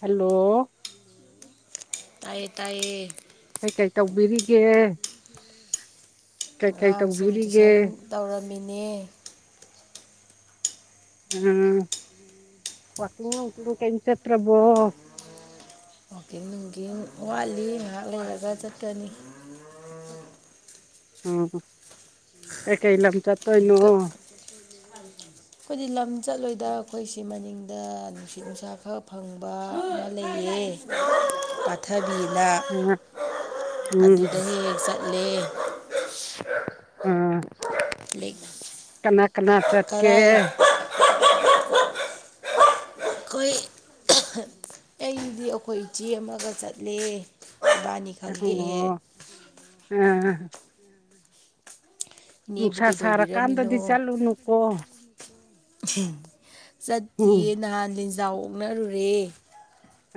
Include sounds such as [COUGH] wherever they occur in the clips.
hello ꯇꯥꯏꯌꯦ ꯇꯥꯏꯌꯦ ꯀꯩꯀꯩ ꯇꯧꯕꯤꯔꯤꯒꯦ ꯀꯩꯀꯩ ꯑꯉꯥꯡ ꯁꯨꯝ ꯇꯧꯕꯤꯔꯤꯒꯦ ꯇꯨꯏꯁꯟ ꯇꯧꯔꯝꯃꯤꯅꯦ ꯎꯝ ꯋꯥ ꯇꯉ ꯀꯩꯩꯅ ꯆꯠꯇ꯭ꯔꯕꯣ ꯑꯣꯀꯤ ꯅꯨꯡꯒꯤ ꯋꯥꯠꯂꯤ ꯉꯥꯏꯍꯥꯛ ꯂꯩꯔꯒ ꯆꯠꯀꯅꯤ ꯎ ꯍ ꯀꯩ ꯂꯝ ꯆꯠꯇꯣꯏꯅꯣ ꯀ ꯑꯩꯈꯣꯏꯗꯤ ꯂꯝ ꯆꯠꯂꯣꯏꯗ ꯑꯩꯈꯣꯏꯁꯤ ꯃꯅꯤꯡꯗ ꯅꯨꯡꯁꯤꯠ ꯅꯨꯡꯁꯥ ꯈꯔ ꯐꯪꯕ ꯑꯃ ꯂꯩꯌꯦ ꯄꯊꯕꯤꯅ ꯎꯝ ꯑꯗꯨꯗꯒꯤ ꯍꯦꯛ ꯍꯦꯛ ꯆꯠ ꯭ꯂ ꯑ ꯀꯅꯥ ꯀꯅꯥ ꯆꯠꯀꯦ ꯀꯗꯥꯏ [INAUDIBLE] ꯑꯩꯈꯣꯏ ꯑꯩꯗꯤ ꯑꯩꯈꯣꯏ ꯏꯆꯦꯃꯒ ꯆꯠꯂꯦ ꯏꯕꯥꯅꯤꯈꯛꯒꯍꯦꯛ ꯑꯣ ꯑꯥ ꯅꯨꯡꯁꯥ ꯀꯩꯗꯧꯕꯤꯔꯝꯃꯤꯅꯣ ꯁꯥꯔꯀꯥꯟꯗꯗꯤ ꯆꯠꯂꯨꯅꯨꯀꯣ ꯎꯝ ꯆꯠꯇꯤꯌꯦ ꯅꯍꯥꯟ ꯂꯦꯟꯖꯥꯎ ꯑꯣꯛꯅꯔꯨꯔꯦ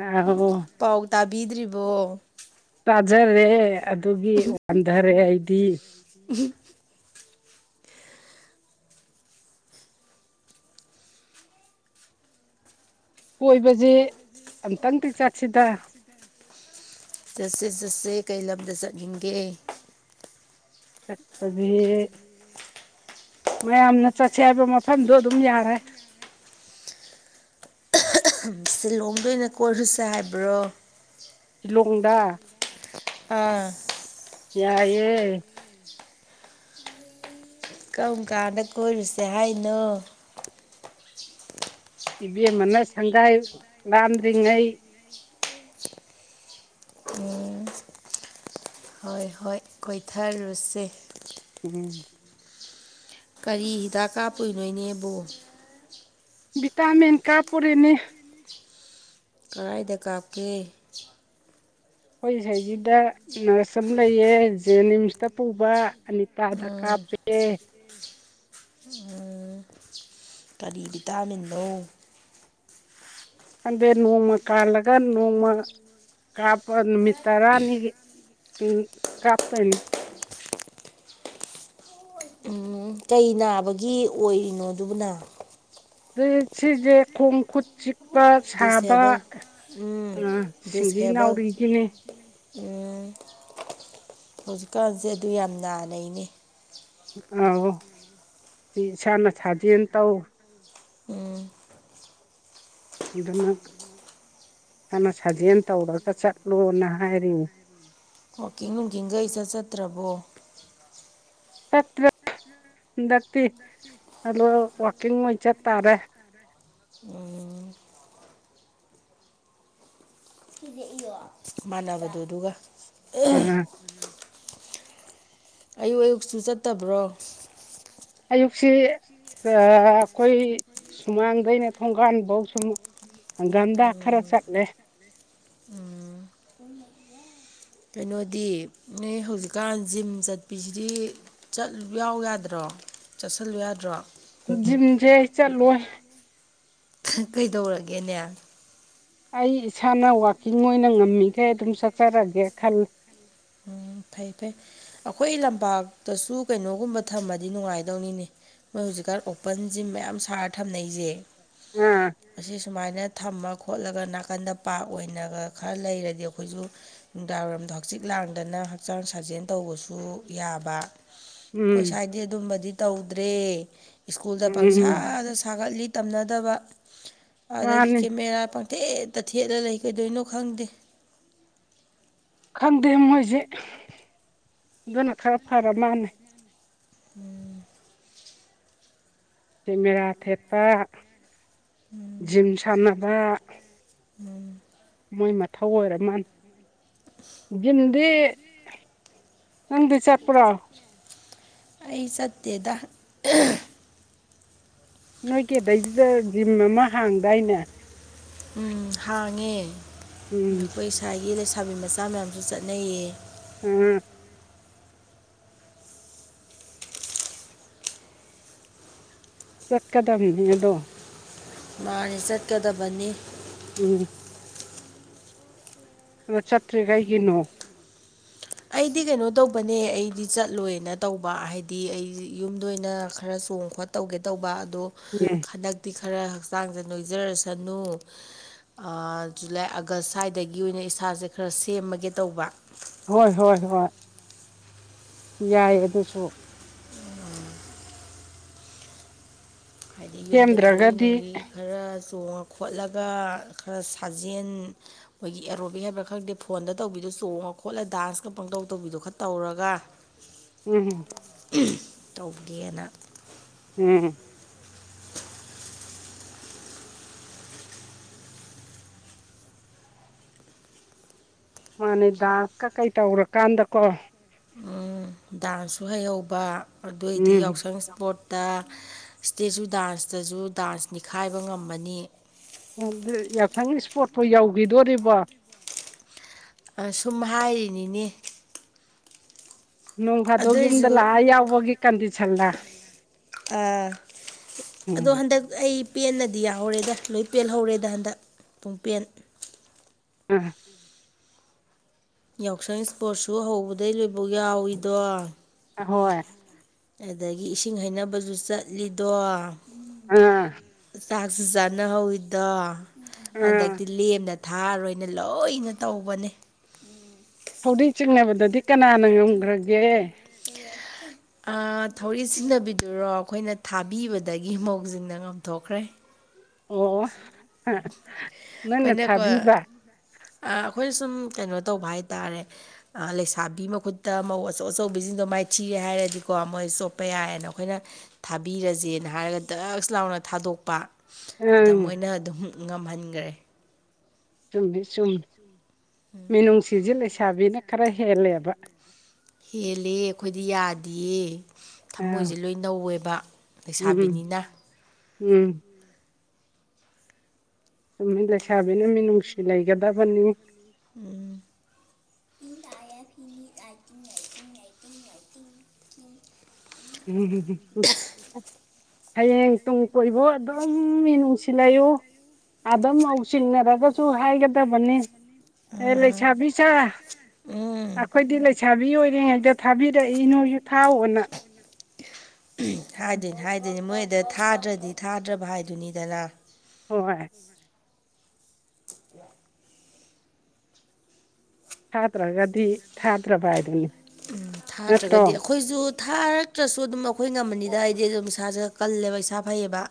ꯑꯣ ꯄꯥꯎ ꯇꯥꯕꯤꯗ꯭ꯔꯤꯕꯣ ꯇꯥꯖꯔꯦ ꯑꯗꯨꯒꯤ ꯋꯥꯟꯊꯔꯦ ꯑꯩꯗꯤ ꯎꯝ ꯀꯣꯏꯕꯁꯦ ꯑꯝꯇꯪꯇꯤꯛ ꯆꯠꯁꯤꯗ ꯆꯠꯁꯦ ꯆꯠꯁꯦ ꯀꯩ ꯂꯝꯗ ꯆꯠꯅꯤꯡꯒꯦ [UNINTELLIGIBLE] ꯃꯌꯥꯝꯅ ꯆꯠꯁꯦ ꯍꯥꯏꯕ ꯃꯐꯝꯗꯣ ꯑꯗꯨꯝ ꯌꯥꯔꯦ ꯁꯤꯂꯣꯡꯗ ꯑꯣꯏꯅ ꯀꯣꯏꯔꯨꯁꯦ ꯍꯥꯏꯕ꯭ꯔꯣ ꯂꯣꯡꯗ ꯑꯥ ꯌꯥꯏꯑꯦ ꯀꯔꯝ ꯀꯥꯟꯗ ꯀꯣꯏꯔꯨꯁꯦ ꯍꯥꯏꯅꯣ ꯏꯕꯦꯝꯃꯅ ꯁꯪꯒꯥꯏ ꯂꯥꯟꯗ꯭ꯔꯤꯉꯩ ꯎꯝ ꯍꯣꯏ ꯍꯣꯏ ꯀꯣꯏꯊꯔꯨꯁꯦ ꯎꯝ ꯀꯔꯤ ꯍꯤꯗꯥꯛ ꯀꯥꯞꯄꯨꯏꯅꯣ ꯢꯅꯦꯕꯣ ꯚꯤꯇꯥꯃꯤꯟ ꯀꯥ ꯄꯨꯔꯦꯅꯤ ꯀꯗꯥꯏꯗ ꯀꯥꯞꯀꯦ ꯑꯩꯈꯣꯏ ꯏꯁꯩꯁꯤꯗ ꯅꯔꯁ ꯑꯃ ꯂꯩꯌꯦ ꯖꯦꯅꯤꯝꯁꯇ ꯄꯨꯕ ꯑꯅꯤꯇꯥ ꯗ ꯀꯥꯞ ꯎꯝ ꯦ [INAUDIBLE] ꯎꯝ ꯀꯔꯤ ꯚꯤꯇꯥꯃꯤꯟꯅꯣ ꯈꯪꯗꯦ ꯅꯣꯡꯃ ꯀꯥꯜꯂꯒ ꯅꯣꯡꯃ ꯀꯥꯞꯄ ꯅꯨꯃꯤꯠ ꯇꯔꯥꯅꯤꯒꯤ ꯎꯝ ꯀꯥꯞꯇꯨꯢꯅꯤ ꯎꯝ ꯀꯩ ꯅꯥꯕꯒꯤ ꯑꯣꯏꯔꯤꯅꯣ ꯑꯗꯨꯕꯨꯅ ꯁꯤꯖꯦ ꯈꯣꯡ ꯈꯨꯨꯠ ꯆꯤꯛ ꯆꯤꯛꯄ ꯁꯥꯕ ꯗꯤꯁꯑꯦꯕꯜ ꯎꯝ ꯁꯤꯡꯂꯤ ꯗꯤꯁꯑꯦꯕꯜ ꯅꯥꯎꯔꯤꯒꯤꯅꯦ ꯎꯝ ꯍꯧꯖꯤꯛꯀꯥꯟꯁꯦ ꯑꯗꯨ ꯌꯥꯝ ꯅꯥꯅꯩꯅꯦ ꯑꯣꯎ ꯏꯁꯥꯅ ꯁꯥꯖꯦꯟ ꯇꯧ ꯎꯝ ꯅꯥ ꯐꯅ ꯁꯥꯖꯦꯟ ꯇꯧꯔꯒ ꯆꯠꯂꯣꯅ ꯍꯥꯏꯔꯤ ꯋꯥꯛꯀꯤꯡ ꯅꯨꯡꯀꯤꯡꯈꯒ ꯢꯆꯠ ꯆꯠꯇ꯭ꯔꯕꯣ ꯇꯠꯇꯔꯦ ꯋꯥꯛꯀꯤꯡ ꯑꯣꯏꯅ ꯆꯠ ꯇꯥꯔꯦ [UNINTELLIGIBLE] [INAUDIBLE] [UNINTELLIGIBLE] ꯃꯥꯟꯅꯕꯗꯣꯗꯨꯒ ꯎꯝ ꯑꯌꯨꯛ ꯑꯌꯨꯛꯁꯨ ꯆꯠꯇꯕ꯭ꯔꯣ ꯑꯌꯨꯛꯁꯤ ꯑꯑ ꯑꯩꯈꯣꯏ ꯁꯨꯃꯥꯡꯗꯩꯅ ꯊꯣꯡꯒꯥꯟꯐꯧ ꯁꯨꯝ ꯍꯪꯒꯥꯝꯗ ꯈꯔ ꯆꯠꯂꯦ ꯎꯝ ꯀꯩꯅꯣꯗꯤ ꯅꯣꯏ ꯍꯧꯖꯤꯛꯀꯥꯟ ꯖꯤꯝ ꯆꯠꯄꯤꯁꯤꯗꯤ ꯆꯠꯂꯨ ꯌꯥꯎ ꯌꯥꯗ꯭ꯔꯣ ꯆꯠꯁꯜꯂꯨ ꯌꯥꯗ꯭ꯔꯣ ꯖꯤꯝꯁꯦ ꯑꯩ ꯆꯠꯂꯣꯏ ꯀꯩꯗꯧꯔꯒꯦꯅꯦ ꯑꯩ ꯏꯁꯥꯅ ꯋꯥꯛꯀꯤꯡ ꯑꯣꯏꯅ ꯉꯝꯃꯤꯈꯦ ꯑꯗꯨꯝ ꯆꯠꯆꯔꯒꯦ ꯈꯂꯦ ꯎꯝ ꯐꯩ ꯐꯩ ꯑꯩꯈꯣꯏ ꯂꯝꯄꯥꯛꯇꯁꯨ ꯀꯩꯅꯣꯒꯨꯝꯕ ꯊꯝꯃꯗꯤ ꯅꯨꯡꯉꯥꯏꯗꯧꯅꯤꯅꯦ ꯃꯣꯏ ꯍꯧꯖꯤꯛꯀꯥꯟ ꯑꯣꯄꯟ ꯖꯤꯝ ꯃꯌꯥꯝ ꯁꯥꯔ ꯊꯝꯅꯩꯁꯦ ꯑꯥ ꯑꯁꯤ ꯁꯨꯃꯥꯏꯅ ꯊꯝꯃ ꯈꯣꯠꯂꯒ ꯅꯥꯀꯟꯗ ꯄꯥ꯭ꯔꯛ ꯑꯣꯏꯅꯒ ꯈꯔ ꯂꯩꯔꯗꯤ ꯑꯩꯈꯣꯏꯁꯨ ꯅꯨꯡꯗꯥꯡꯋꯥꯔꯝ ꯍꯛꯆꯤꯛ ꯂꯥꯡꯗꯅ ꯍꯛꯆꯥꯡ ꯁꯥꯖꯦꯟ ꯇꯧꯕꯁꯨ ꯌꯥꯕ ꯎꯝ ꯑꯩꯈꯣꯏ ꯁꯋꯥꯏꯗꯤ ꯑꯗꯨꯝꯕꯗꯤ ꯇꯧꯗ꯭ꯔꯦ ꯁ꯭ꯀꯨꯜꯗ ꯎꯝ ꯄꯪꯁꯥꯗ ꯁꯥꯒꯠꯂꯤ ꯇꯝꯅꯗꯕ ꯑꯗꯒꯤ ꯃꯥꯅꯤ ꯀꯦꯃꯦꯔꯥ ꯄꯪꯊꯦꯠꯇ ꯊꯦꯠꯂ ꯂꯩ ꯀꯩꯗꯣꯏꯅꯣ ꯈꯪꯗꯦ ꯈꯪꯗꯦ ꯃꯣꯏꯁꯦ ꯑꯗꯨꯅ ꯈꯔ ꯐꯔ ꯃꯥꯥꯟꯅ ꯎꯝ ꯀꯦꯃꯦꯔꯥ ꯊꯦꯠꯄ ꯖꯤꯝ ꯁꯥꯟꯅꯕ ꯎꯝꯝ ꯃꯣꯏ ꯃꯊꯧ ꯑꯣꯏꯔ ꯃꯥꯅꯤ ꯤꯟꯗꯤ ꯍꯗꯤ ꯆꯄ꯭ꯔ ꯑꯩ ꯆꯠꯇꯦꯗ ꯅꯣꯏ ꯀꯦꯗꯩꯗꯨꯗ ꯖꯤꯝ ꯑꯃ ꯍꯥꯡꯗꯥꯏꯅꯦ ꯎꯝ ꯍꯥꯡꯉꯦ ꯑꯩꯈꯣꯏ ꯏꯁꯥꯒꯤ ꯊꯥꯕꯤ ꯃꯆꯥ ꯃꯌꯥꯝꯁꯨ ꯆꯠꯅꯩꯌꯦ ꯎꯝ ꯆꯠꯀꯗꯝ ꯅꯗꯣ ꯃꯥꯅꯤ ꯆꯠꯀꯗꯕꯅꯤ ꯎꯝ ꯑꯗ ꯆꯠꯇ꯭ꯔꯤ ꯀꯩꯒꯤꯅꯣ ꯑꯩꯗꯤ ꯀꯩꯅꯣ ꯇꯧꯕꯅꯦ ꯑꯩꯗꯤ ꯆꯠꯂꯣꯏꯅ ꯇꯧꯕ ꯍꯥꯏꯗꯤ ꯑꯩ ꯌꯨꯝꯗ ꯑꯣꯏꯅ ꯈꯔ ꯆ ꯇ ꯈꯣꯠ ꯇꯧꯒꯦ ꯇꯧꯕ ꯑꯗꯣ ꯎꯝ ꯍꯟꯗꯛꯇꯤ ꯈꯔ ꯍꯛꯆꯥꯡꯁꯦ ꯅꯣꯏꯖꯔꯁꯅꯨ ꯖꯨꯂꯥꯏ ꯑꯥꯒꯁ ꯁ꯭ꯋꯥꯏꯗꯒꯤ ꯑꯣꯏꯅ ꯏꯁꯥꯁꯦ ꯈꯔ ꯁꯦꯝꯃꯒꯦ ꯇꯧꯕ ꯍꯣꯏ ꯍꯣꯏ ꯍꯣꯏ ꯌꯥꯏ ꯑꯗꯨꯁꯨ ꯍꯥꯏꯗꯤ ꯌꯨꯝꯗ ꯊꯧꯂꯤ ꯁꯦꯝꯗ꯭ꯔꯒꯗꯤ ꯅꯨꯡꯂꯤ ꯈꯔ ꯇꯣꯡꯉ ꯈꯣꯠꯂꯒ ꯈꯔ ꯁꯥꯖꯦꯟ ꯃꯣꯏꯒꯤ ꯑꯦꯔꯣꯕꯤꯛ ꯍꯥꯏꯕ ꯈꯪꯗꯦ ꯐꯣꯟꯗ ꯇꯧꯕꯤꯗ ꯆꯣꯡꯉ ꯈꯣꯠꯂ ꯗꯥꯟꯁꯀ ꯄꯪꯇꯧ ꯇꯧꯕꯤꯗꯣ ꯈꯔ ꯇꯧꯔꯒ ꯎꯝꯝ ꯇꯧꯕꯒꯦꯅ ꯎꯝ ꯃꯥꯅꯦꯗꯥꯛꯀꯀꯩ ꯇꯧꯔꯀꯥꯟꯗꯀꯣ ꯗꯥꯟꯁꯁꯨ ꯍꯩꯍꯧꯕ ꯑꯗꯨꯑꯣꯏꯗꯤ ꯎꯝ ꯌꯥꯎꯁꯪ ꯏꯁꯄꯣꯔꯠꯇ ꯏꯁꯇꯦꯖꯨ ꯗꯥꯟꯁꯇꯁꯨ ꯗꯥꯟꯁ ꯅꯤꯈꯥꯏꯕ ꯉꯝꯃꯅꯤ ꯌꯥꯁꯪꯒꯤ ꯏꯁꯄꯣꯠꯇꯣ ꯌꯧꯈꯤꯗꯣꯔꯤꯕ ꯁꯨꯝ ꯍꯥꯏꯔꯤꯅꯤꯅꯦ ꯅꯣꯡ ꯑꯗꯨ ꯐꯥꯗꯣꯛ ꯌꯨꯝꯗ ꯑꯣꯏꯁꯨ ꯂꯥꯛꯑ ꯌꯥꯎꯕꯒꯤ ꯀꯟꯗꯤꯁꯟꯗ ꯑ ꯑꯗꯣ ꯎꯝ ꯍꯟꯗꯛ ꯑꯩ ꯄꯦꯟꯅꯗꯤ ꯌꯥꯍꯧꯔꯦꯗ ꯂꯣꯏ ꯄꯦꯜꯍꯧꯔꯦꯗ ꯍꯟꯗꯛ ꯄꯨꯡ ꯄꯦꯟ ꯎꯝ ꯌꯥꯎꯁꯪ ꯏꯁꯄꯣꯔꯠꯁꯨ ꯍꯧꯕꯗꯩ ꯂꯣꯏꯕꯧ ꯌꯥꯎꯏꯤꯗꯣ ꯍꯣꯏ ꯑꯗꯨꯗꯒꯤ ꯏꯁꯤꯡ ꯍꯩꯅꯕꯁꯨ ꯆꯠꯂꯤꯗꯣ ꯑꯥ ꯆꯥꯛꯁꯨ ꯆꯥꯅꯍꯧꯋꯤꯗꯣ ꯑꯥ ꯍꯟꯗꯛꯇꯤ ꯂꯦꯝꯅ ꯄ ꯊꯥꯔ ꯑꯣꯏꯅ ꯂꯣꯏꯅ ꯇꯧꯕꯅꯦ ꯐꯥꯎꯗꯤꯛ ꯆꯤꯡꯅꯕꯗꯗꯤ ꯀꯅꯥꯅ ꯉꯝꯈ꯭ꯔꯒꯦ ꯊꯧꯔꯤ ꯆꯤꯟꯅꯕꯤꯗꯨꯔꯣ ꯑꯩꯈꯣꯏꯅ ꯊꯥꯕꯤꯕꯗꯒꯤ ꯃꯧꯁꯤꯅ ꯉꯥꯝꯊꯣꯛꯈ꯭ꯔꯦ ꯑꯣ ꯍꯥ ꯅꯪꯅ ꯀꯣꯏꯅꯀ ꯊꯥꯕꯤꯕ ꯑꯩꯈꯣꯏꯅ ꯁꯨꯝ ꯀꯩꯅꯣ ꯇꯧꯕ ꯍꯥꯏꯇꯥꯔꯦ ꯂꯩꯁꯥꯕꯤ ꯃꯈꯨꯠꯇ ꯃꯧ ꯑꯆꯧ ꯑꯆꯧꯕꯤꯁꯤꯡꯗꯣ ꯃꯥꯏ ꯃꯥꯏꯊꯤꯔꯦ ꯍꯥꯏꯔꯗꯤꯀꯣ ꯃꯣꯏ ꯆꯣꯠꯄ ꯌꯥꯏꯑꯅ ꯑꯩꯈꯣꯏꯅ ꯊꯥꯕꯤꯔꯁꯦꯅ ꯍꯥꯏꯔꯒ ꯗ꯭ꯔꯛꯁ ꯂꯥꯎꯅ ꯊ ꯊꯥꯗꯣꯛꯄ ꯑꯗ ꯑꯪ ꯃꯣꯏꯅ ꯑꯗꯨꯝ ꯉꯝꯍꯟꯈ꯭ꯔꯦ ꯆꯨꯝꯃꯤ ꯆꯨꯝꯃꯤ ꯃꯤꯅꯨꯡꯁꯤꯖꯤ ꯂꯩꯁꯥꯕꯤꯅ ꯈꯔ ꯍꯦꯜꯂꯦꯕ ꯍꯦꯜꯂꯦ ꯑꯩꯈꯣꯏꯗꯤ ꯌꯥꯗꯤꯌꯦ ꯑꯥ ꯊꯃꯣꯏꯁꯦ ꯂꯣꯏ ꯅꯧꯋꯦꯕ ꯎꯝ ꯂꯩꯁꯥꯕꯤꯅꯤꯅ ꯎꯝ ꯇꯨꯃꯤ ꯂꯩꯁꯥꯕꯤꯅ ꯃꯤꯅꯨꯡꯁꯤ ꯂꯩꯒꯗꯕꯅꯤ ꯎꯝ ꯑꯩ ꯑꯩꯥꯏꯠꯇꯤꯟ ꯅꯥꯏꯟꯠꯇꯤꯟ ꯑꯩꯅꯥꯏꯠꯇꯤꯟ ꯅꯥꯏꯠꯇꯤꯟ [UNINTELLIGIBLE] ꯍꯌꯦꯡ ꯇꯨꯡ ꯀꯣꯏꯕꯨ ꯑꯗꯨꯝ ꯃꯤ ꯅꯨꯡꯁꯤꯜꯂꯌꯨ ꯑꯗꯨꯝ ꯂꯧꯁꯤꯟꯅꯔꯒꯁꯨ ꯍꯥꯏꯒꯗꯕꯅꯤ ꯑꯦ ꯂꯩꯁꯥꯕꯤ ꯁꯥ ꯎꯝ ꯑꯩꯈꯣꯏꯗꯤ ꯂꯩꯁꯥꯕꯤ ꯑꯣꯏꯔꯤꯉꯩꯗ ꯊꯥꯕꯤꯔꯛꯏꯅꯣ ꯌꯨ ꯊꯥꯎꯑꯣꯅ ꯍꯥꯏꯗꯣꯏꯅꯦ ꯍꯥꯏꯗꯣꯏꯅꯦ ꯃꯣꯏꯗ ꯊꯥꯗ꯭ꯔꯗꯤ ꯊꯥꯗ꯭ꯔꯕ ꯍꯥꯏꯗꯨꯣꯏꯅꯤꯗꯅ ꯍꯣꯏ ꯊꯥꯗ꯭ꯔꯒꯗꯤ ꯊꯥꯗ꯭ꯔꯕ ꯍꯥꯏꯗꯨꯅꯤ ꯅꯠꯇ꯭ꯔꯣ ꯊꯥꯗ꯭ꯔꯒꯗꯤ ꯑꯩꯈꯣꯏꯁꯨ ꯊꯥꯔꯛꯇ꯭ꯔꯁꯨ ꯑꯗꯨꯝ ꯑꯩꯈꯣꯏ ꯉꯝꯃꯅꯤꯗ ꯍꯥꯏꯗꯤ ꯑꯗꯨꯝ ꯏꯁꯥꯁꯦ ꯀꯜꯂꯦꯕ ꯏꯁꯥ ꯐꯩꯌꯦꯕ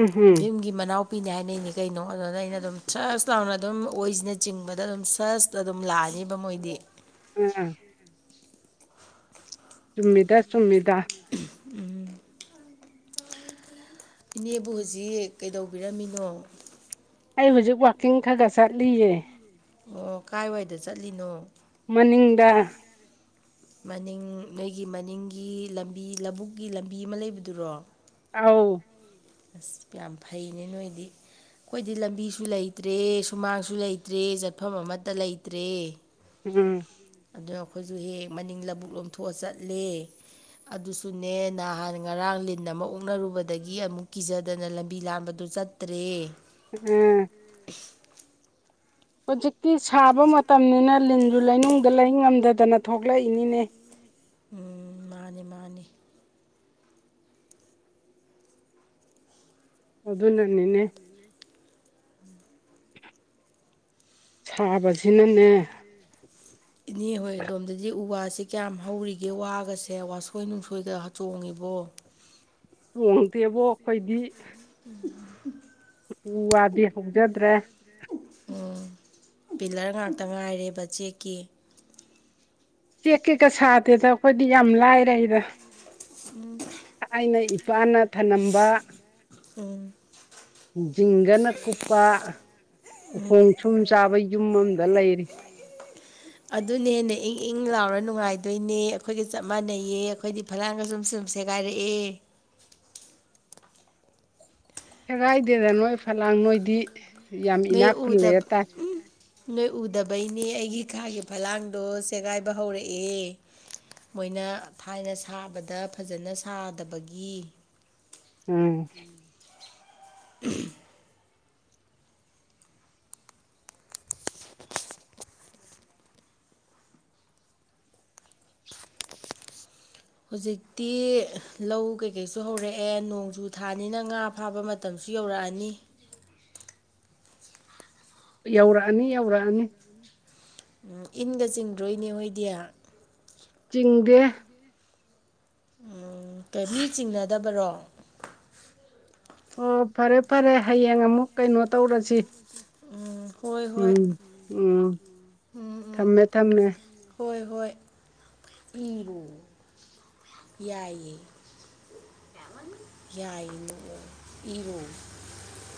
ꯎꯝ ꯍꯨꯝ ꯚꯤꯝꯒꯤ ꯃꯅꯥꯎ ꯇꯥꯛꯄꯤꯅꯤ ꯍꯥꯏꯅꯩꯅꯤ ꯀꯩꯅꯣ ꯑꯗꯨꯅ ꯑꯩꯅ ꯑꯗꯨꯝ ꯁ꯭ꯔꯁ ꯇꯥꯎꯅ ꯑꯗꯨꯝ ꯑꯣꯏꯁꯤꯅ ꯆꯤꯡꯕꯗ ꯑꯗꯨꯝ ꯁ꯭ꯔꯁꯇ ꯑꯗꯨꯝ ꯂꯥꯛꯑꯦ ꯑꯔꯤꯕ ꯃꯣꯏꯗꯤ ꯎꯝ ꯆꯨꯝꯃꯤꯗꯥ ꯆꯨꯝꯃꯤꯗꯥ ꯎꯝ ꯏꯅꯦꯕꯨ ꯍꯧꯖꯤꯛ ꯀꯩꯗꯧꯕꯤꯔꯝꯃꯤꯅꯣ ꯑꯩ ꯍꯧꯖꯤꯛ ꯋꯥꯋꯥꯛꯀꯤꯡ ꯈꯔ ꯈ ꯆꯠꯂꯤꯌꯦ ꯑꯣ ꯀꯥꯏꯋꯥꯏꯗ ꯆꯠꯂꯤꯅꯣ ꯃꯅꯤꯡꯗ ꯃꯅꯤꯡ ꯅꯣꯏꯒꯤ ꯃꯅꯤꯡꯒꯤ ꯂꯝꯕꯤ ꯂꯧꯕꯨꯛꯀꯤ ꯂꯝꯕꯤ ꯑꯃ ꯂꯩꯕꯗꯨꯔꯣ ꯑꯥꯎ ꯑꯁ ꯌꯥꯝ ꯐꯩꯅꯦ ꯅꯣꯏꯗꯤ ꯑꯩꯈꯣꯏꯗꯤ ꯂꯝꯕꯤꯁꯨ ꯂꯩꯇ꯭ꯔꯦ ꯁꯨꯃꯥꯡꯁꯨ ꯂꯩꯇ꯭ꯔꯦ ꯆꯠꯐꯝ ꯑꯃꯠꯇ ꯂꯩꯇ꯭ꯔꯦ ꯎꯝ ꯑꯗꯨꯅ ꯑꯩꯈꯣꯏꯁꯨ ꯍꯦꯛ ꯃꯅꯤꯡ ꯂꯧꯕꯕꯨꯛ ꯂꯣꯝꯊꯣꯛꯑ ꯆꯠꯂꯦ ꯑꯗꯨꯁꯨꯅꯦ ꯅꯍꯥꯟ ꯉꯔꯥꯡ ꯂꯤꯟ ꯑꯃ ꯑꯣꯛꯅꯔꯨꯕꯗꯒꯤ ꯑꯃꯨꯛ ꯀꯤꯖꯗꯅ ꯂꯝꯕꯤ ꯂꯥꯟꯕꯗꯨ ꯆꯠꯇ꯭ꯔꯦ ꯎꯝ [INAUDIBLE] ꯍꯧꯖꯤꯛꯇꯤ ꯁꯥꯕ ꯃꯇꯝꯅꯤꯅ ꯂꯤꯟ ꯑꯗꯨ ꯂꯩꯅꯨꯡꯗ ꯂꯥꯏꯔꯤ ꯉꯝꯗꯗꯅ ꯊꯣꯛꯂꯛꯏꯅꯤꯅꯦ ꯎꯝ ꯃꯥꯅꯤ ꯃꯥꯅꯤ ꯑꯗꯨ ꯑꯗꯨꯅꯅꯤꯅꯦ ꯁꯥꯕꯁꯤꯅꯅꯦ ꯏꯅꯦ ꯍꯣꯏ ꯑꯗꯣꯝꯗꯗꯤ ꯎ ꯋꯥꯁꯤ ꯁꯤ ꯀꯌꯥꯝ ꯍꯧꯔꯤꯒꯦ ꯋꯥꯒꯁꯦ ꯋꯥꯁꯣꯏ ꯅꯨꯡꯁꯣꯏꯗ ꯆꯣꯡꯉꯤꯕꯣ ꯆꯣꯡꯗꯦꯕꯣ ꯑꯩꯈꯣꯏꯗꯤ [INAUDIBLE] ꯎ ꯋꯥꯗꯤ ꯍꯧꯖꯗ꯭ꯔꯦ ꯎꯝ ꯄꯤꯂꯔ ꯉꯥꯛꯇ ꯉꯥꯏꯔꯦꯕ ꯆꯦꯛꯀꯤ ꯀꯦꯛ ꯀꯦꯛꯀ ꯁꯥꯗꯦꯗ ꯑꯩꯈꯣꯏꯗꯤ ꯌꯥꯝ ꯂꯥꯏꯔꯦ ꯑꯩꯗ ꯑꯩꯅ ꯋꯥꯅ ꯊꯝꯂꯝꯝꯕ ꯎꯝ ꯎꯝ ꯆꯤꯡꯒꯅ ꯀꯨꯞꯄ ꯎꯈꯣꯡ ꯁꯨꯝ ꯆꯥꯕ ꯌꯨꯝ ꯑꯃꯝꯗ ꯂꯩꯔꯤ ꯑꯗꯨꯅꯦꯅꯦ ꯅꯨꯡꯉꯥꯏꯗꯣꯏꯅꯦ ꯑꯩꯈꯣꯏꯒ ꯆꯞ ꯃꯥꯟꯅꯩꯌꯦ ꯑꯩꯈꯣꯏꯗꯤ ꯐꯂꯥꯡꯒ ꯁꯨꯝ ꯁ ꯁꯨꯝ ꯁꯦꯒꯥꯏꯔꯛꯑꯦ ꯁꯦꯒꯥꯏꯗꯦꯗ ꯅꯣꯏ ꯐꯂꯥꯡ ꯅꯣꯏꯗꯤ ꯌꯥꯝ ꯅꯣꯏ ꯏꯅꯥꯛ ꯈꯨꯜꯂꯦ ꯎꯗ ꯇꯥꯏ ꯅꯣꯏ ꯎꯗꯕꯩꯅꯦ ꯑꯩꯒꯤ ꯈꯥꯒꯤ ꯐꯂꯥꯡꯗꯣ ꯆꯦꯒꯥꯏꯕ ꯍꯧꯔꯛꯑꯦ ꯃꯣꯏꯅ ꯊꯥꯏꯅ ꯁꯥꯕꯗ ꯐꯖꯅ ꯁꯥꯗꯕꯒꯤ ꯎꯝ [UNINTELLIGIBLE] ꯍꯧꯖꯤꯛꯇꯤ ꯂꯧ ꯀꯩꯀꯩꯁꯨ ꯍꯧꯔꯛꯑꯦ ꯅꯣꯡꯖꯨ ꯊꯥꯅꯤꯅ ꯉꯥ ꯐꯥꯕ ꯃꯇꯝꯁꯨ ꯨ ꯌꯧꯔꯛꯑꯅꯤ [INAUDIBLE] ꯌꯧꯔꯛꯑꯅꯤ ꯌꯧꯔꯛꯑꯅꯤ ꯏꯟꯒ ꯆꯤꯡꯗ꯭ꯔꯣꯏꯅꯦ ꯍꯣꯏꯗꯤ ꯆꯤꯡꯗꯦ ꯎꯝ ꯐꯦꯂꯤ ꯆꯤꯡꯅꯗꯕꯔꯣ ꯑꯣ ꯐꯔꯦ ꯐꯔꯦ ꯍꯌꯦꯡ ꯑꯃꯨꯛ ꯀꯩꯅꯣ ꯇꯧꯔꯁꯤ ꯎꯝ ꯍꯣꯏ ꯍꯣꯏ ꯎꯝ ꯎꯝ ꯎꯝ ꯎꯝ ꯊꯝꯃꯦ ꯊꯝꯃꯦ ꯍꯣꯏ ꯍꯣꯏ ꯏꯕꯨ ꯌꯥꯏꯌꯦ ꯌꯥꯏꯅ ꯏꯔꯣꯜ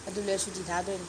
ꯑꯗꯨ ꯂꯩꯁꯨꯇꯤ ꯊꯥꯗꯣꯏꯅꯦ